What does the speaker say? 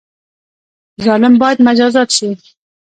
ظالم باید مجازات شي